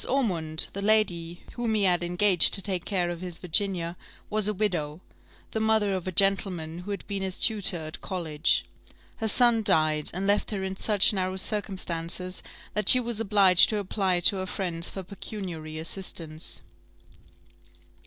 Ormond, the lady whom he had engaged to take care of his Virginia, was a widow, the mother of a gentleman who had been his tutor at college. Her son died, and left her in such narrow circumstances, that she was obliged to apply to her friends for pecuniary assistance.